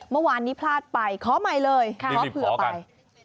เมื่อวานนี้พลาดไปขอใหม่เลยขอเพื่อกันเรียกได้ว่าเมื่อวานนี้